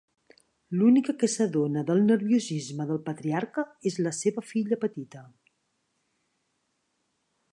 L'única que s'adona del nerviosisme del patriarca és la seva filla petita.